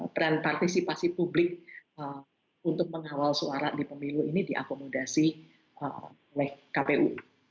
trend partisipasi publik untuk mengawal suara di pemilu ini diakomodasi oleh kpu